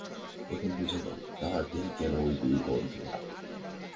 এখন বুঝা গেল, তাহার দেহে কেন ঐ দুর্গন্ধ।